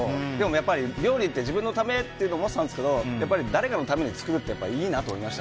やっぱり料理って自分のためと思っていたんですけど誰かのために作るっていいなと思いました。